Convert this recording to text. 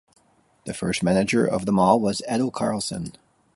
The first manager of the mall was Eddo Carlson.